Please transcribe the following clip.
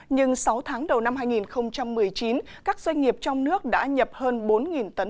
nhưng sáu tháng đầu năm hai nghìn một mươi chín các doanh nghiệp trong nước đã nhập hơn bốn tấn